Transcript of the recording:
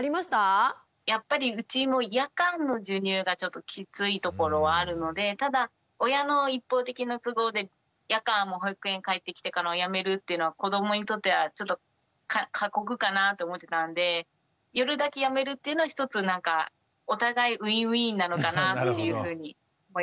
やっぱりうちも夜間の授乳がちょっときついところはあるのでただ親の一方的な都合で夜間も保育園帰ってきてからもやめるっていうのは子どもにとってはちょっと過酷かなって思ってたんで夜だけやめるっていうのはひとつなんかお互いウィンウィンなのかなっていうふうに思いました。